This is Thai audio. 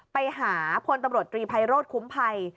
ไปหาพลตำรวจตรีไพโรธคุ้มภัย